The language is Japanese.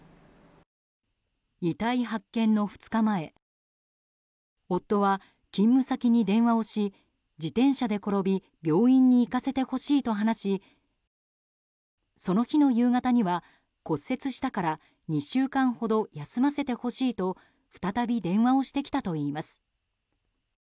遺体発見の２日前夫は勤務先に電話をし自転車で転び病院に行かせてほしいと話しその日の夕方には骨折したから２週間ほど休ませてほしいと再び電話をしてきたといいます。